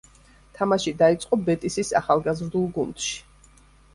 თამაში დაიწყო „ბეტისის“ ახალგაზრდულ გუნდში.